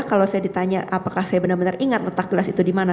kalau saya ditanya apakah saya benar benar ingat letak gelas itu di mana